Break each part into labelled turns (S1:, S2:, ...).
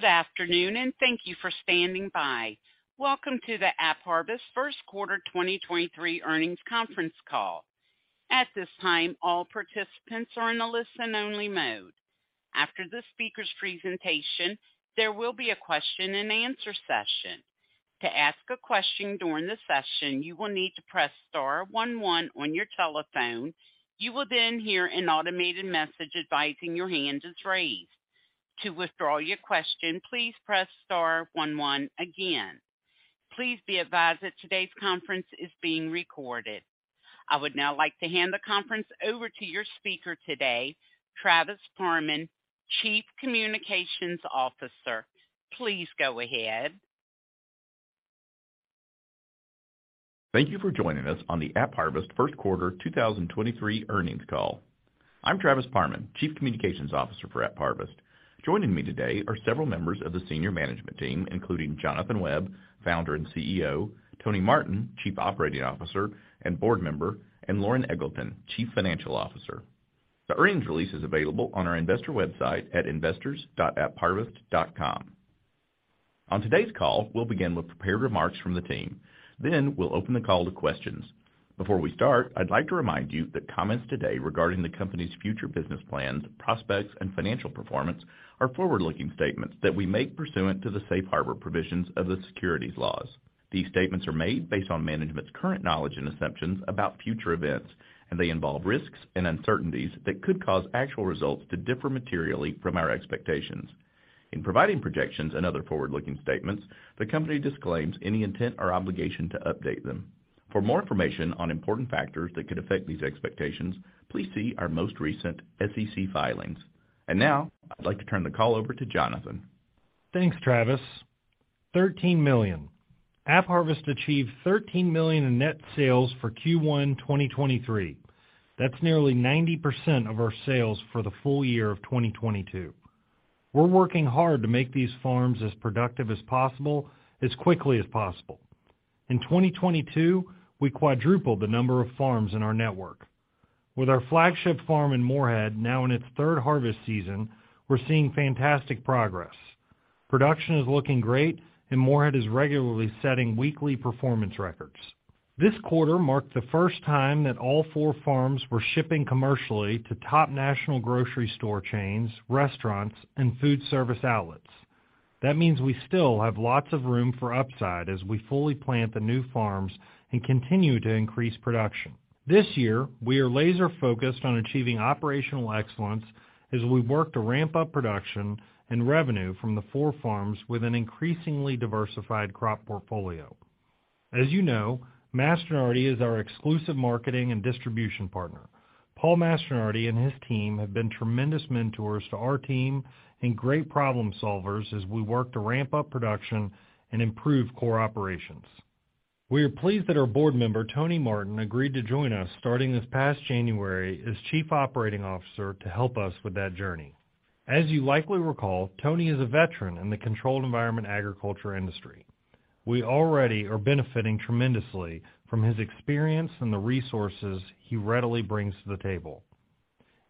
S1: Good afternoon. Thank you for standing by. Welcome to the AppHarvest First Quarter 2023 Earnings Conference Call. At this time, all participants are in a listen only mode. After the speaker's presentation, there will be a question and answer session. To ask a question during the session, you will need to press star one one on your telephone. You will hear an automated message advising your hand is raised. To withdraw your question, please press star one one again. Please be advised that today's conference is being recorded. I would now like to hand the conference over to your speaker today, Travis Parman, chief communications officer. Please go ahead.
S2: Thank you for joining us on the AppHarvest first quarter 2023 earnings call. I'm Travis Parman, Chief Communications Officer for AppHarvest. Joining me today are several members of the senior management team, including Jonathan Webb, Founder and CEO, Tony Martin, Chief Operating Officer and Board Member, and Loren Eggleton, Chief Financial Officer. The earnings release is available on our investor website at investors.appharvest.com. On today's call, we'll begin with prepared remarks from the team, then we'll open the call to questions. Before we start, I'd like to remind you that comments today regarding the company's future business plans, prospects, and financial performance are forward-looking statements that we make pursuant to the safe harbor provisions of the securities laws. These statements are made based on management's current knowledge and assumptions about future events, and they involve risks and uncertainties that could cause actual results to differ materially from our expectations. In providing projections and other forward-looking statements, the company disclaims any intent or obligation to update them. For more information on important factors that could affect these expectations, please see our most recent SEC filings. Now, I'd like to turn the call over to Jonathan.
S3: Thanks, Travis. $13 million. AppHarvest achieved $13 million in net sales for Q1 2023. That's nearly 90% of our sales for the full year of 2022. We're working hard to make these farms as productive as possible, as quickly as possible. In 2022, we quadrupled the number of farms in our network. With our flagship farm in Morehead now in its third harvest season, we're seeing fantastic progress. Production is looking great, and Morehead is regularly setting weekly performance records. This quarter marked the first time that all four farms were shipping commercially to top national grocery store chains, restaurants, and food service outlets. That means we still have lots of room for upside as we fully plant the new farms and continue to increase production. This year, we are laser-focused on achieving operational excellence as we work to ramp up production and revenue from the four farms with an increasingly diversified crop portfolio. As you know, Mastronardi is our exclusive marketing and distribution partner. Paul Mastronardi and his team have been tremendous mentors to our team and great problem-solvers as we work to ramp up production and improve core operations. We are pleased that our board member, Tony Martin, agreed to join us starting this past January as Chief Operating Officer to help us with that journey. As you likely recall, Tony is a veteran in the controlled environment agriculture industry. We already are benefiting tremendously from his experience and the resources he readily brings to the table.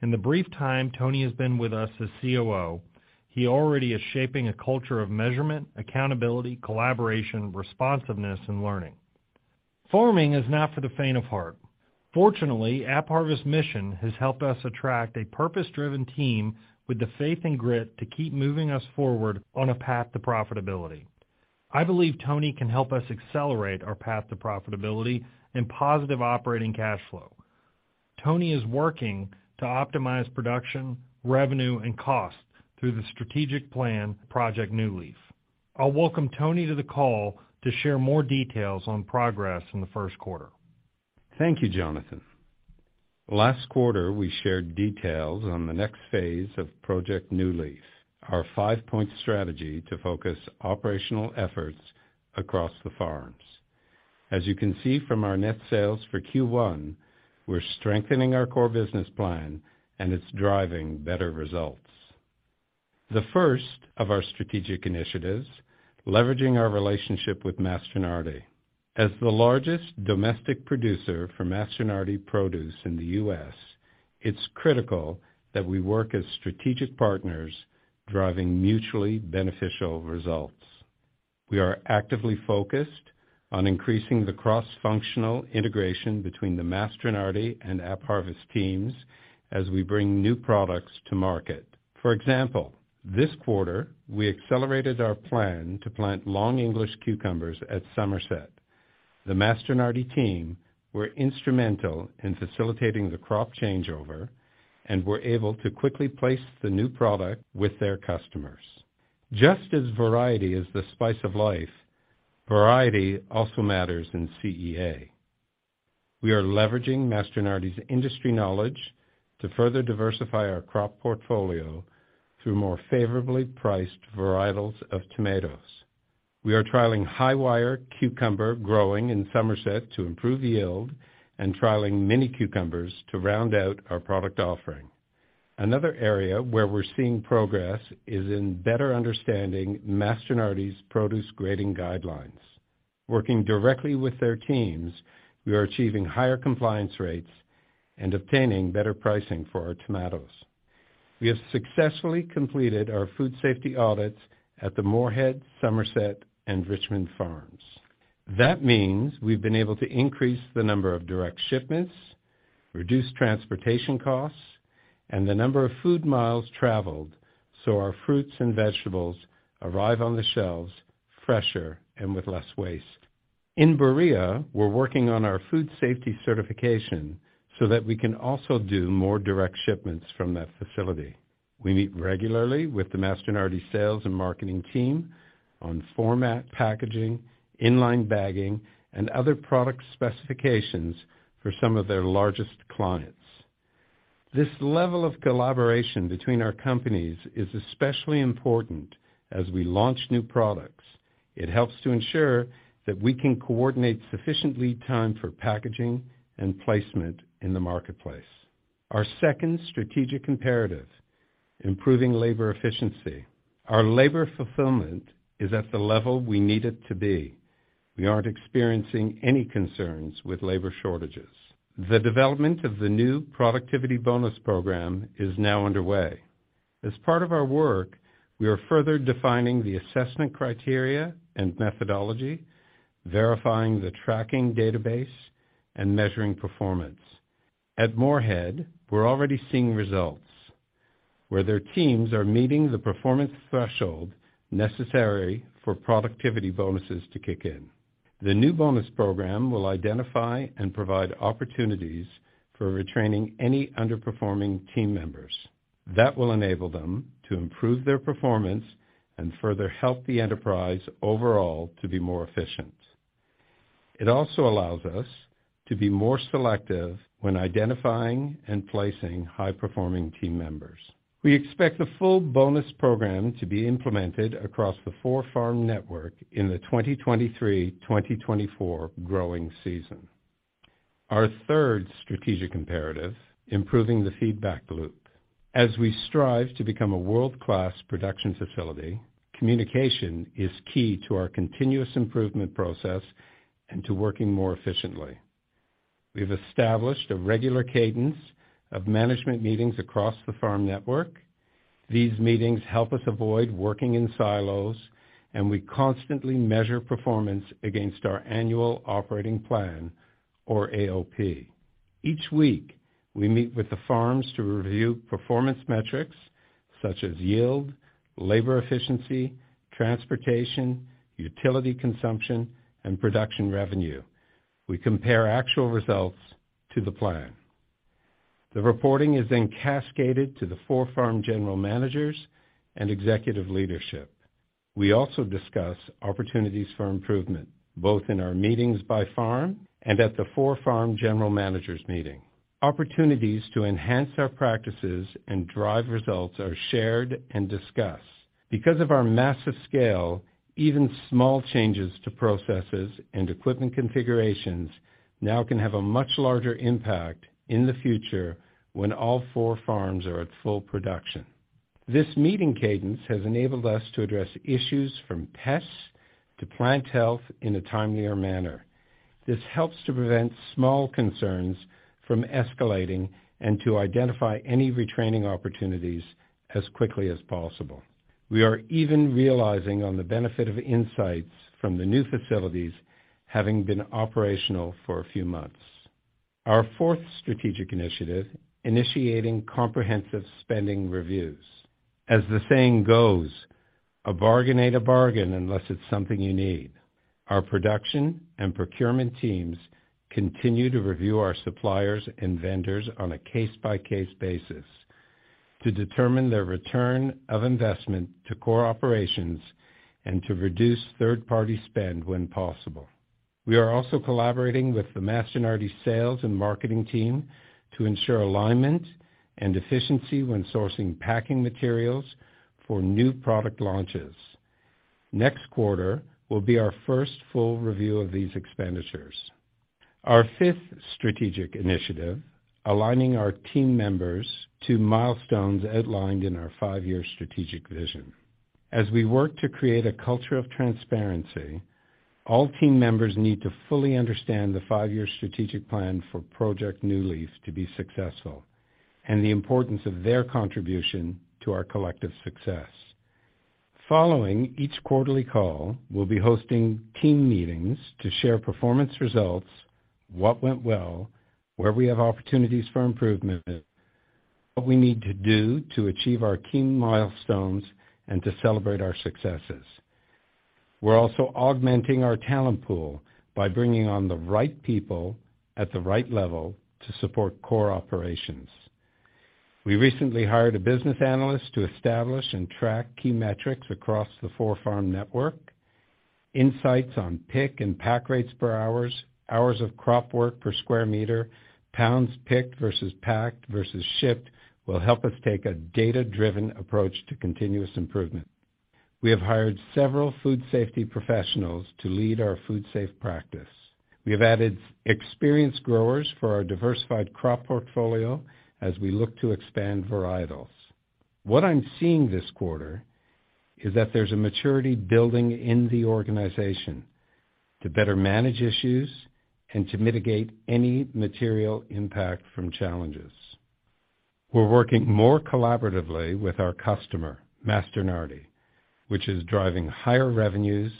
S3: In the brief time Tony has been with us as COO, he already is shaping a culture of measurement, accountability, collaboration, responsiveness, and learning. Farming is not for the faint of heart. Fortunately, AppHarvest mission has helped us attract a purpose-driven team with the faith and grit to keep moving us forward on a path to profitability. I believe Tony can help us accelerate our path to profitability and positive operating cash flow. Tony is working to optimize production, revenue, and cost through the strategic plan, Project New Leaf. I'll welcome Tony to the call to share more details on progress in the first quarter.
S4: Thank you, Jonathan. Last quarter, we shared details on the next phase of Project New Leaf, our five-point strategy to focus operational efforts across the farms. As you can see from our net sales for Q1, we're strengthening our core business plan, and it's driving better results. The first of our strategic initiatives, leveraging our relationship with Mastronardi. As the largest domestic producer for Mastronardi Produce in the U.S., it's critical that we work as strategic partners driving mutually beneficial results. We are actively focused on increasing the cross-functional integration between the Mastronardi and AppHarvest teams as we bring new products to market. For example, this quarter, we accelerated our plan to plant long English cucumbers at Somerset. The Mastronardi team were instrumental in facilitating the crop changeover and were able to quickly place the new product with their customers. Just as variety is the spice of life, variety also matters in CEA. We are leveraging Mastronardi's industry knowledge to further diversify our crop portfolio through more favorably priced varietals of tomatoes. We are trialing high-wire cucumber growing in Somerset to improve yield and trialing mini cucumbers to round out our product offering. Another area where we're seeing progress is in better understanding Mastronardi's produce grading guidelines. Working directly with their teams, we are achieving higher compliance rates. Obtaining better pricing for our tomatoes. We have successfully completed our food safety audits at the Morehead, Somerset, and Richmond farms. That means we've been able to increase the number of direct shipments, reduce transportation costs, and the number of food miles traveled, so our fruits and vegetables arrive on the shelves fresher and with less waste. In Berea, we're working on our food safety certification so that we can also do more direct shipments from that facility. We meet regularly with the Mastronardi sales and marketing team on format, packaging, in-line bagging, and other product specifications for some of their largest clients. This level of collaboration between our companies is especially important as we launch new products. It helps to ensure that we can coordinate sufficient lead time for packaging and placement in the marketplace. Our second strategic imperative: improving labor efficiency. Our labor fulfillment is at the level we need it to be. We aren't experiencing any concerns with labor shortages. The development of the new productivity bonus program is now underway. As part of our work, we are further defining the assessment criteria and methodology, verifying the tracking database, and measuring performance. At Morehead, we're already seeing results, where their teams are meeting the performance threshold necessary for productivity bonuses to kick in. The new bonus program will identify and provide opportunities for retraining any underperforming team members. That will enable them to improve their performance and further help the enterprise overall to be more efficient. It also allows us to be more selective when identifying and placing high-performing team members. We expect the full bonus program to be implemented across the four-farm network in the 2023/2024 growing season. Our third strategic imperative: improving the feedback loop. As we strive to become a world-class production facility, communication is key to our continuous improvement process and to working more efficiently. We've established a regular cadence of management meetings across the farm network. These meetings help us avoid working in silos, and we constantly measure performance against our Annual Operating Plan, or AOP. Each week, we meet with the farms to review performance metrics such as yield, labor efficiency, transportation, utility consumption, and production revenue. We compare actual results to the plan. The reporting is then cascaded to the four farm general managers and executive leadership. We also discuss opportunities for improvement, both in our meetings by farm and at the four farm general managers meeting. Opportunities to enhance our practices and drive results are shared and discussed. Because of our massive scale, even small changes to processes and equipment configurations now can have a much larger impact in the future when all four farms are at full production. This meeting cadence has enabled us to address issues from pests to plant health in a timelier manner. This helps to prevent small concerns from escalating and to identify any retraining opportunities as quickly as possible. We are even realizing on the benefit of insights from the new facilities having been operational for a few months. Our fourth strategic initiative: initiating comprehensive spending reviews. As the saying goes, "A bargain ain't a bargain unless it's something you need." Our production and procurement teams continue to review our suppliers and vendors on a case-by-case basis to determine their return of investment to core operations and to reduce third-party spend when possible. We are also collaborating with the Mastronardi sales and marketing team to ensure alignment and efficiency when sourcing packing materials for new product launches. Next quarter will be our first full review of these expenditures. Our fifth strategic initiative: aligning our team members to milestones outlined in our five-year strategic vision. As we work to create a culture of transparency, all team members need to fully understand the five-year strategic plan for Project New Leaf to be successful, and the importance of their contribution to our collective success. Following each quarterly call, we'll be hosting team meetings to share performance results, what went well, where we have opportunities for improvement, what we need to do to achieve our key milestones, and to celebrate our successes. We're also augmenting our talent pool by bringing on the right people at the right level to support core operations. We recently hired a business analyst to establish and track key metrics across the four-farm network. Insights on pick and pack rates per hours of crop work per square meter, pounds picked versus packed versus shipped will help us take a data-driven approach to continuous improvement. We have hired several food safety professionals to lead our food safety practices. We have added experienced growers for our diversified crop portfolio as we look to expand varietals. What I'm seeing this quarter is that there's a maturity building in the organization. To better manage issues and to mitigate any material impact from challenges. We're working more collaboratively with our customer, Mastronardi, which is driving higher revenues,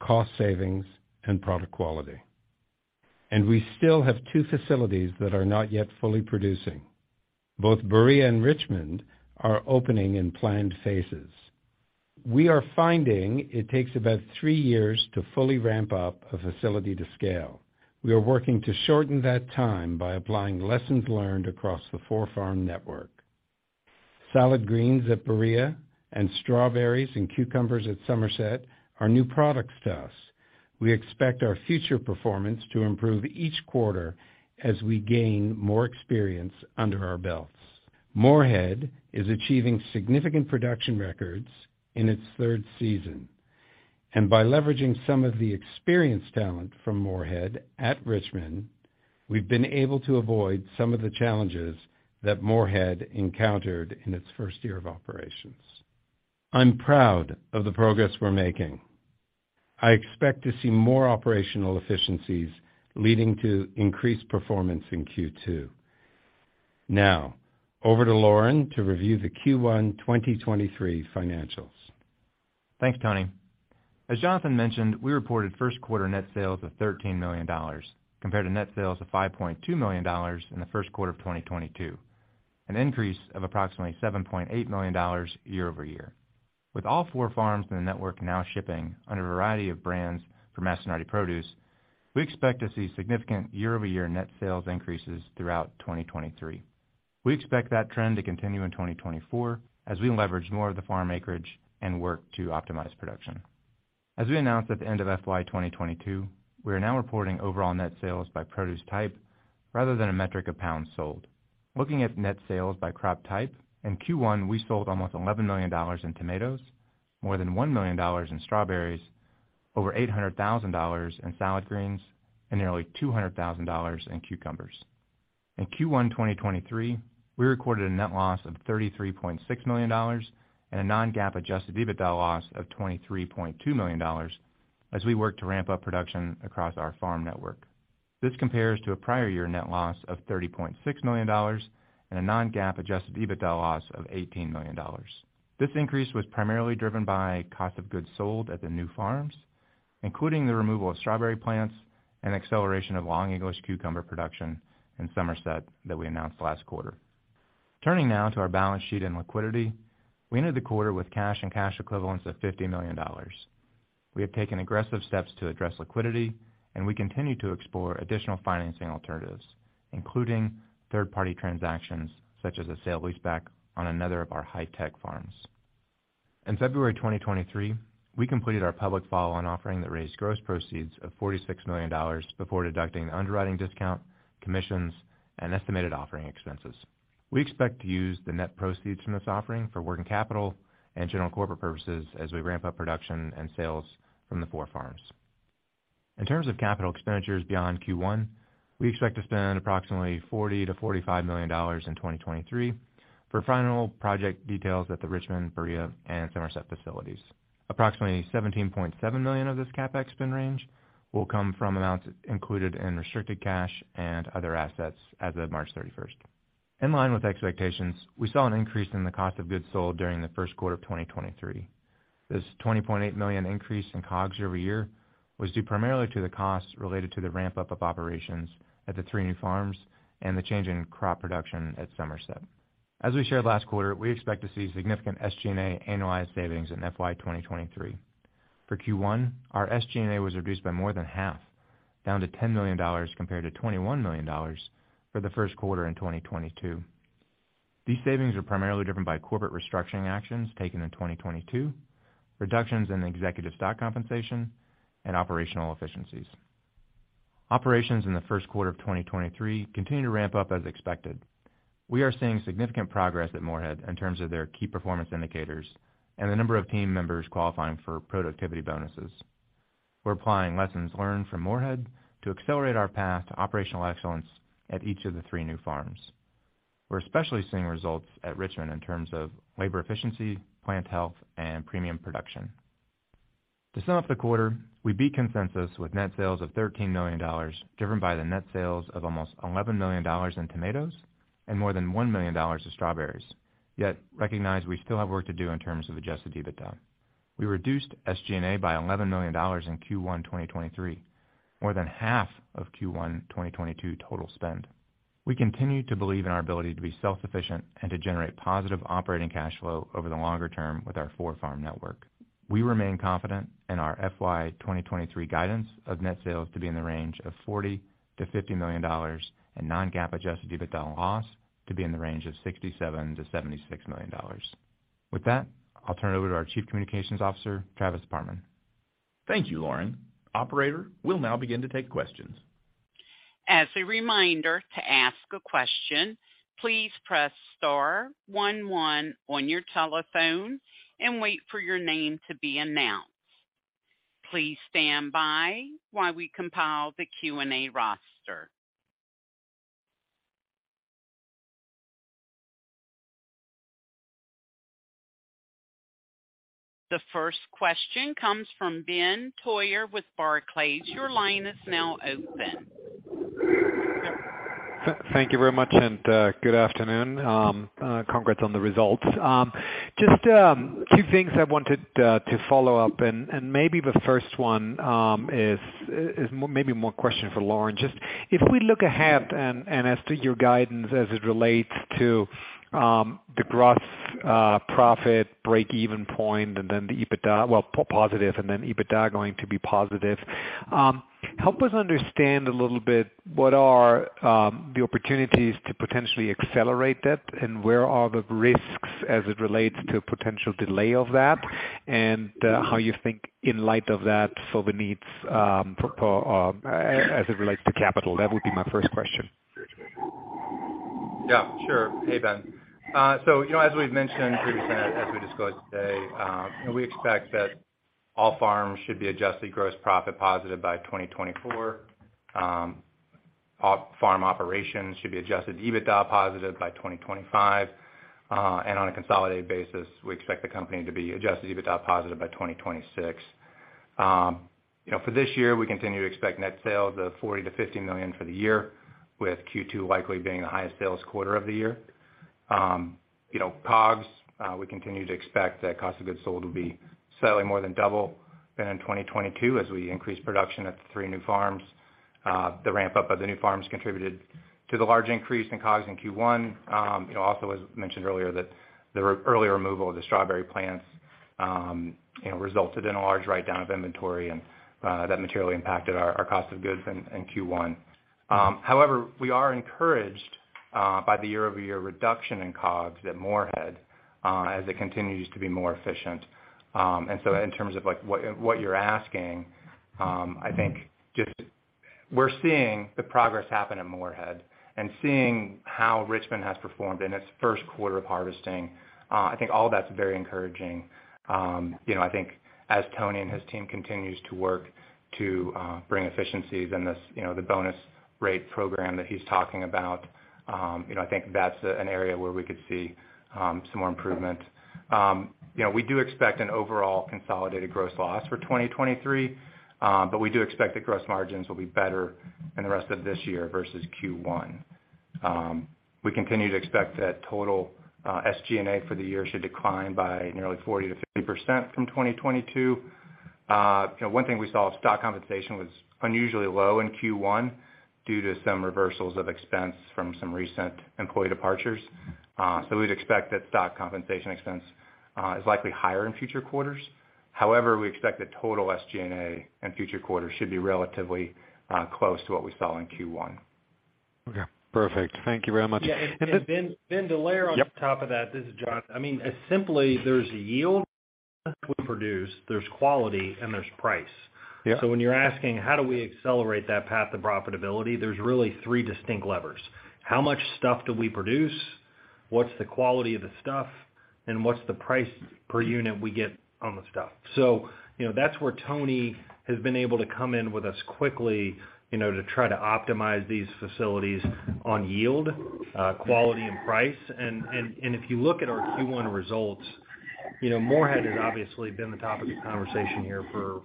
S4: cost savings, and product quality. We still have two facilities that are not yet fully producing. Both Berea and Richmond are opening in planned phases. We are finding it takes about three years to fully ramp up a facility to scale. We are working to shorten that time by applying lessons learned across the four-farm network. Salad greens at Berea and strawberries and cucumbers at Somerset are new products to us. We expect our future performance to improve each quarter as we gain more experience under our belts. Morehead is achieving significant production records in its third season. By leveraging some of the experienced talent from Morehead at Richmond, we've been able to avoid some of the challenges that Morehead encountered in its first year of operations. I'm proud of the progress we're making. I expect to see more operational efficiencies leading to increased performance in Q2. Over to Loren to review the Q1 2023 financials.
S5: Thanks, Tony. As Jonathan mentioned, we reported first quarter net sales of $13 million compared to net sales of $5.2 million in the first quarter of 2022, an increase of approximately $7.8 million year-over-year. With all four farms in the network now shipping under a variety of brands for Mastronardi Produce, we expect to see significant year-over-year net sales increases throughout 2023. We expect that trend to continue in 2024 as we leverage more of the farm acreage and work to optimize production. As we announced at the end of FY 2022, we are now reporting overall net sales by produce type rather than a metric of pounds sold. Looking at net sales by crop type, in Q1, we sold almost $11 million in tomatoes, more than $1 million in strawberries, over $800,000 in salad greens, and nearly $200,000 in cucumbers. In Q1 2023, we recorded a net loss of $33.6 million and a non-GAAP adjusted EBITDA loss of $23.2 million as we work to ramp up production across our farm network. This compares to a prior year net loss of $30.6 million and a non-GAAP adjusted EBITDA loss of $18 million. This increase was primarily driven by cost of goods sold at the new farms, including the removal of strawberry plants and acceleration of long English cucumber production in Somerset that we announced last quarter. Turning now to our balance sheet and liquidity. We ended the quarter with cash and cash equivalents of $50 million. We have taken aggressive steps to address liquidity, and we continue to explore additional financing alternatives, including third-party transactions such as a sale-leaseback on another of our high-tech farms. In February 2023, we completed our public follow-on offering that raised gross proceeds of $46 million before deducting the underwriting discount, commissions, and estimated offering expenses. We expect to use the net proceeds from this offering for working capital and general corporate purposes as we ramp up production and sales from the four farms. In terms of capital expenditures beyond Q1, we expect to spend approximately $40 million-$45 million in 2023 for final project details at the Richmond, Berea, and Somerset facilities. Approximately $17.7 million of this CapEx spend range will come from amounts included in restricted cash and other assets as of March 31st. In line with expectations, we saw an increase in the cost of goods sold during the first quarter of 2023. This $20.8 million increase in COGS year-over-year was due primarily to the costs related to the ramp-up of operations at the three new farms and the change in crop production at Somerset. As we shared last quarter, we expect to see significant SG&A annualized savings in FY 2023. For Q1, our SG&A was reduced by more than half, down to $10 million compared to $21 million for the first quarter in 2022. These savings are primarily driven by corporate restructuring actions taken in 2022, reductions in executive stock compensation, and operational efficiencies. Operations in the first quarter of 2023 continue to ramp up as expected. We are seeing significant progress at Morehead in terms of their key performance indicators and the number of team members qualifying for productivity bonuses. We're applying lessons learned from Morehead to accelerate our path to operational excellence at each of the three new farms. We're especially seeing results at Richmond in terms of labor efficiency, plant health, and premium production. To sum up the quarter, we beat consensus with net sales of $13 million, driven by the net sales of almost $11 million in tomatoes and more than $1 million in strawberries. Recognize we still have work to do in terms of adjusted EBITDA. We reduced SG&A by $11 million in Q1 2023, more than half of Q1 2022 total spend. We continue to believe in our ability to be self-sufficient and to generate positive operating cash flow over the longer term with our four-farm network. We remain confident in our FY 2023 guidance of net sales to be in the range of $40 million-$50 million and non-GAAP adjusted EBITDA loss to be in the range of $67 million-$76 million. I'll turn it over to our Chief Communications Officer, Travis Parman.
S2: Thank you, Loren. Operator, we'll now begin to take questions.
S1: As a reminder, to ask a question, please press star one one on your telephone and wait for your name to be announced. Please stand by while we compile the Q&A roster. The first question comes from Ben Theurer with Barclays. Your line is now open.
S6: Thank you very much and good afternoon. Congrats on the results. Just two things I wanted to follow up, and maybe the first one is maybe more question for Loren. Just if we look ahead and as to your guidance as it relates to the gross profit breakeven point and then the EBITDA, well, positive, and then EBITDA going to be positive. Help us understand a little bit what are the opportunities to potentially accelerate that, and where are the risks as it relates to potential delay of that, and how you think in light of that for the needs for as it relates to capital? That would be my first question.
S5: Yeah, sure. Hey, Ben. You know, as we've mentioned previously, as we discussed today, you know, we expect that all farms should be Adjusted Gross Profit positive by 2024. All farm operations should be Adjusted EBITDA positive by 2025. On a consolidated basis, we expect the company to be Adjusted EBITDA positive by 2026. You know, for this year, we continue to expect net sales of $40 million-$50 million for the year, with Q2 likely being the highest sales quarter of the year. You know, COGS, we continue to expect that cost of goods sold will be selling more than double than in 2022 as we increase production at the three new farms. The ramp up of the new farms contributed to the large increase in COGS in Q1. You know, also as mentioned earlier, that the early removal of the strawberry plants, you know, resulted in a large write-down of inventory and that materially impacted our cost of goods in Q1. We are encouraged by the year-over-year reduction in COGS at Morehead as it continues to be more efficient. In terms of like, what you're asking, I think just we're seeing the progress happen in Morehead and seeing how Richmond has performed in its first quarter of harvesting, I think all that's very encouraging. You know, I think as Tony and his team continues to work to bring efficiencies in this, you know, the bonus rate program that he's talking about, you know, I think that's an area where we could see some more improvement. You know, we do expect an overall consolidated gross loss for 2023, but we do expect the gross margins will be better in the rest of this year versus Q1. We continue to expect that total SG&A for the year should decline by nearly 40%-50% from 2022. You know, one thing we saw, stock compensation was unusually low in Q1 due to some reversals of expense from some recent employee departures. We'd expect that stock compensation expense is likely higher in future quarters. However, we expect that total SG&A in future quarters should be relatively close to what we saw in Q1.
S6: Okay, perfect. Thank you very much.
S5: Yeah.
S3: And then Ben, to layer on top of that, this is John.
S6: Yep.
S3: I mean, simply there's yield we produce, there's quality and there's price.
S6: Yeah.
S3: When you're asking how do we accelerate that path to profitability, there's really three distinct levers. How much stuff do we produce? What's the quality of the stuff? What's the price per unit we get on the stuff? You know, that's where Tony has been able to come in with us quickly, you know, to try to optimize these facilities on yield, quality and price. If you look at our Q1 results, you know, Morehead has obviously been the topic of conversation here for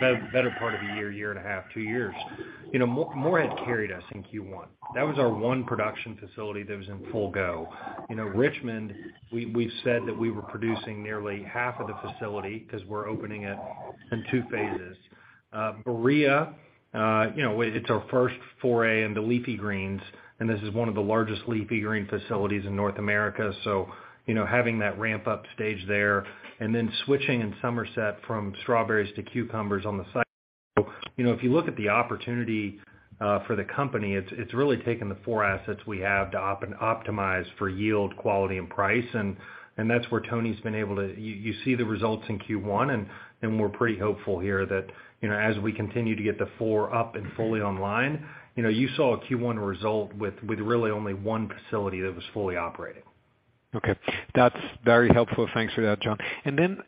S3: better part of the year and a half, two years. You know, Morehead carried us in Q1. That was our one production facility that was in full go. You know, Richmond, we've said that we were producing nearly half of the facility because we're opening it in two phases. Berea, you know, it's our first foray into leafy greens, and this is one of the largest leafy green facilities in North America. You know, having that ramp up stage there and then switching in Somerset from strawberries to cucumbers on the side. You know, if you look at the opportunity for the company, it's really taken the four assets we have to optimize for yield, quality and price. That's where Tony's been able to. You see the results in Q1, and we're pretty hopeful here that, you know, as we continue to get the four up and fully online, you know, you saw a Q1 result with really only 1 facility that was fully operating.
S6: Okay, that's very helpful. Thanks for that, John. Then,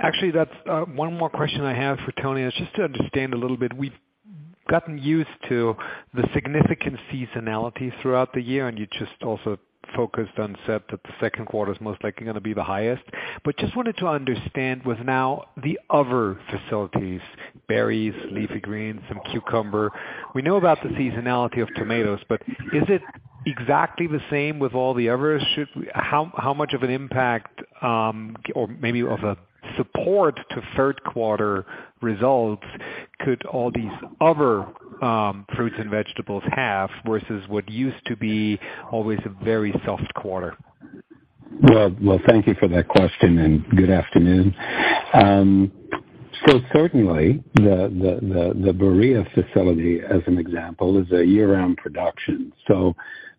S6: actually that's, one more question I have for Tony. Just to understand a little bit, we've gotten used to the significant seasonality throughout the year, and you just also focused on set that the second quarter is most likely gonna be the highest. Just wanted to understand with now the other facilities, berries, leafy greens, and cucumber, we know about the seasonality of tomatoes, but is it exactly the same with all the others? How much of an impact, or maybe of a support to third quarter results could all these other, fruits and vegetables have versus what used to be always a very soft quarter?
S4: Well, thank you for that question and good afternoon. Certainly the Berea facility, as an example, is a year-round production. You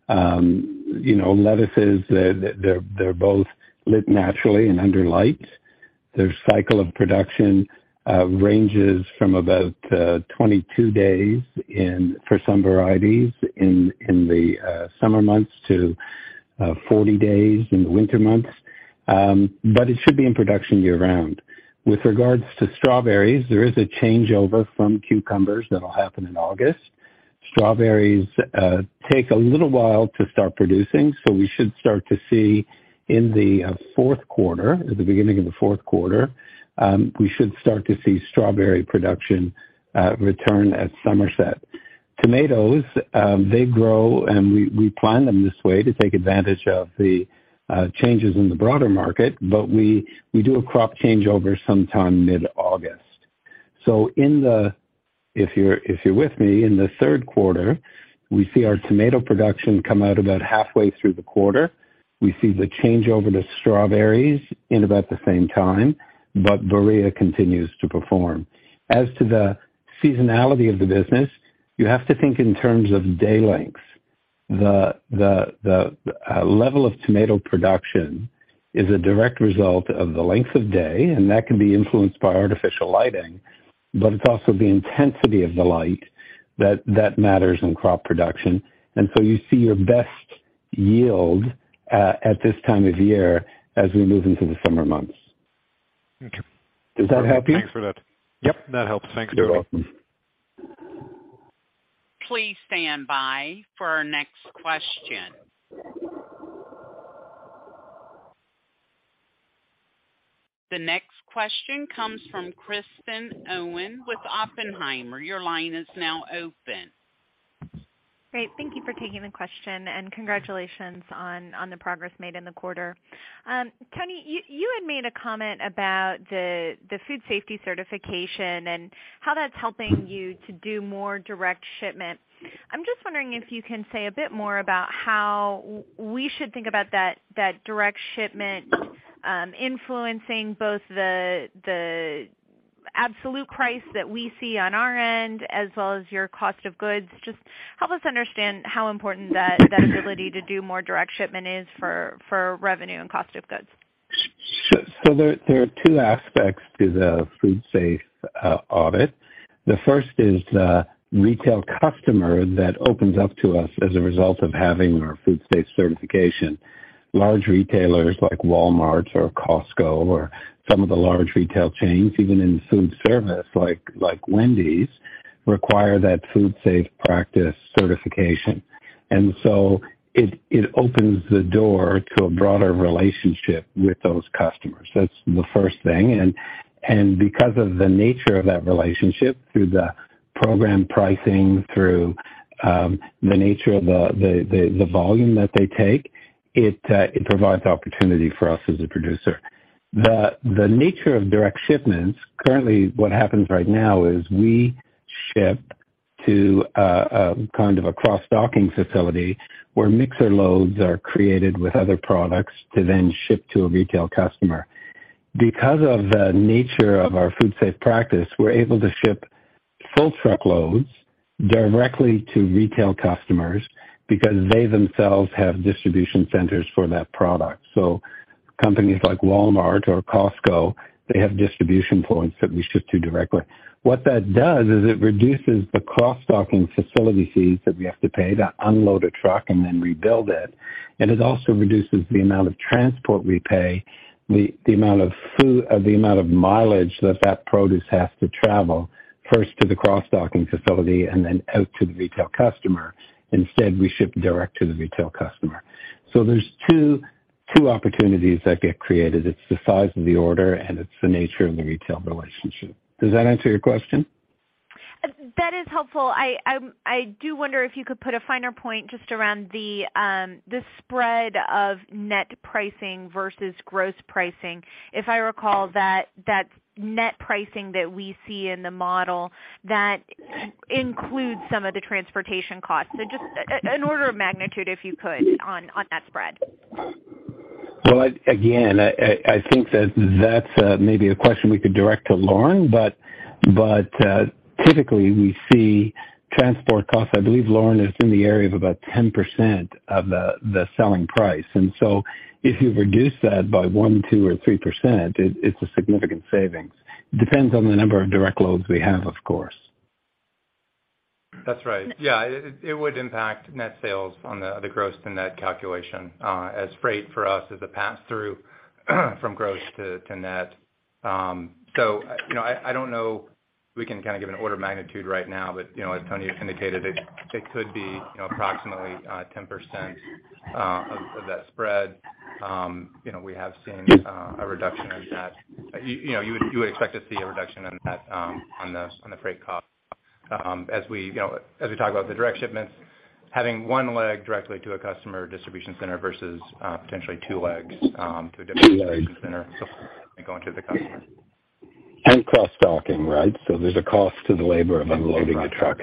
S4: know, lettuces, they're both lit naturally and under light. Their cycle of production ranges from about 22 days for some varieties in the summer months to 40 days in the winter months. But it should be in production year round. With regards to strawberries, there is a changeover from cucumbers that'll happen in August. Strawberries take a little while to start producing, we should start to see in the fourth quarter, at the beginning of the fourth quarter, we should start to see strawberry production return at Somerset. Tomatoes, they grow, and we plan them this way to take advantage of the changes in the broader market, but we do a crop changeover sometime mid-August. If you're with me, in the third quarter, we see our tomato production come out about halfway through the quarter. We see the changeover to strawberries in about the same time, but Berea continues to perform. As to the seasonality of the business, you have to think in terms of day lengths. The level of tomato production is a direct result of the length of day, and that can be influenced by artificial lighting, but it's also the intensity of the light that matters in crop production. You see your best yield at this time of year as we move into the summer months.
S6: Okay.
S4: Does that help you?
S6: Thanks for that. Yep, that helps. Thanks.
S4: You're welcome.
S1: Please stand by for our next question. The next question comes from Kristen Owen with Oppenheimer. Your line is now open.
S7: Great. Thank you for taking the question, congratulations on the progress made in the quarter. Tony, you had made a comment about the food safety certification and how that's helping you to do more direct shipment. I'm just wondering if you can say a bit more about how we should think about that direct shipment influencing both the absolute price that we see on our end as well as your cost of goods. Just help us understand how important that ability to do more direct shipment is for revenue and cost of goods.
S4: There are two aspects to the food safe audit. The first is the retail customer that opens up to us as a result of having our food safe certification. Large retailers like Walmart or Costco or some of the large retail chains, even in food service like Wendy's, require that food safety practices certification. It opens the door to a broader relationship with those customers. That's the first thing. Because of the nature of that relationship through the program pricing, through the nature of the volume that they take, it provides opportunity for us as a producer. The nature of direct shipments, currently what happens right now is we ship to kind of a cross-docking facility where mixer loads are created with other products to then ship to a retail customer. Because of the nature of our food safety practices, we're able to ship full truckloads directly to retail customers because they themselves have distribution centers for that product. Companies like Walmart or Costco, they have distribution points that we ship to directly. What that does is it reduces the cross-docking facility fees that we have to pay to unload a truck and then rebuild it. It also reduces the amount of transport we pay, the amount of mileage that that produce has to travel first to the cross-docking facility and then out to the retail customer. Instead, we ship direct to the retail customer. There's two opportunities that get created. It's the size of the order, and it's the nature of the retail relationship. Does that answer your question?
S7: That is helpful. I do wonder if you could put a finer point just around the spread of net pricing versus gross pricing. If I recall that net pricing that we see in the model, that includes some of the transportation costs. Just an order of magnitude, if you could, on that spread.
S4: Well, again, I think that that's maybe a question we could direct to Loren. Typically we see transport costs, I believe, Loren, is in the area of about 10% of the selling price. If you reduce that by 1%, 2% or 3%, it's a significant savings. Depends on the number of direct loads we have, of course.
S5: That's right. Yeah, it would impact net sales on the gross to net calculation, as freight for us is a pass through from gross to net. You know, I don't know if we can kind of give an order of magnitude right now. You know, as Tony has indicated, it could be, you know, approximately 10% of that spread. You know, we have seen a reduction in that. You know, you would expect to see a reduction in that on the freight cost. As we, you know, as we talk about the direct shipments, having one leg directly to a customer distribution center versus potentially two legs to a different distribution center and going to the customer.
S4: Cross-docking, right? There's a cost to the labor of unloading the truck.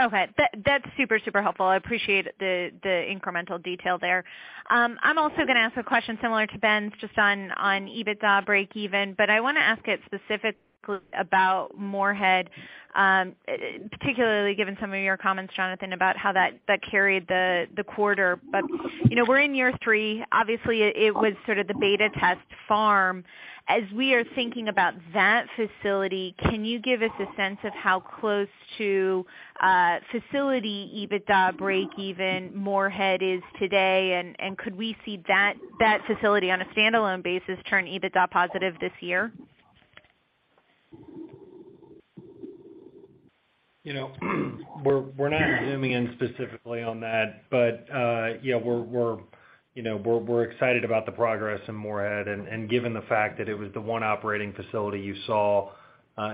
S7: Okay. That's super helpful. I appreciate the incremental detail there. I'm also gonna ask a question similar to Ben's just on EBITDA breakeven, but I wanna ask it specifically about Morehead, particularly given some of your comments, Jonathan, about how that carried the quarter. You know, we're in year three. Obviously it was sort of the beta test farm. As we are thinking about that facility, can you give us a sense of how close to facility EBITDA breakeven Morehead is today? Could we see that facility on a standalone basis turn EBITDA positive this year?
S3: You know, we're not zooming in specifically on that, but, yeah, we're, you know, we're excited about the progress in Morehead. Given the fact that it was the one operating facility you saw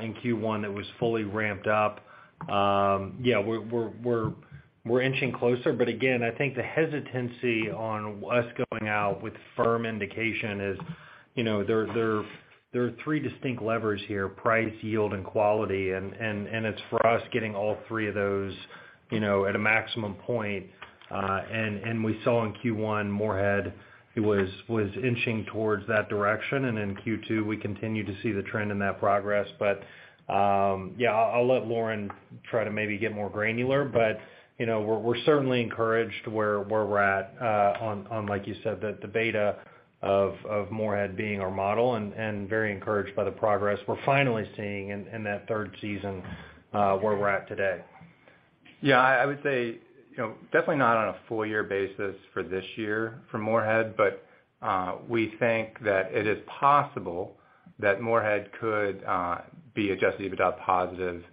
S3: in Q1 that was fully ramped up, yeah, we're inching closer. Again, I think the hesitancy on us going out with firm indication is, you know, there are three distinct levers here: price, yield, and quality. It's for us getting all three of those, you know, at a maximum point. We saw in Q1, Morehead was inching towards that direction, and in Q2, we continue to see the trend in that progress. Yeah, I'll let Loren try to maybe get more granular. You know, we're certainly encouraged where we're at, on like you said, the beta of Morehead being our model and very encouraged by the progress we're finally seeing in that third season, where we're at today.
S5: I would say, you know, definitely not on a full year basis for this year for Morehead. We think that it is possible that Morehead could be adjusted EBITDA positive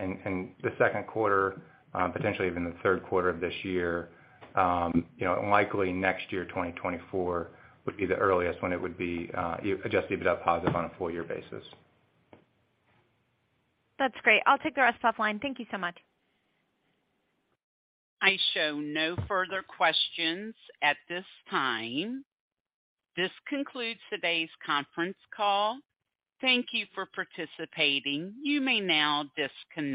S5: in the second quarter, potentially even the third quarter of this year. You know, likely next year, 2024 would be the earliest when it would be adjusted EBITDA positive on a full year basis.
S7: That's great. I'll take the rest offline. Thank you so much.
S1: I show no further questions at this time. This concludes today's conference call. Thank you for participating. You may now disconnect.